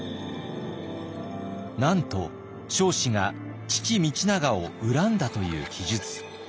なんと彰子が父道長を恨んだという記述。